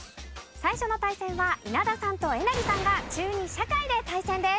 最初の対戦は稲田さんとえなりさんが中２社会で対戦です。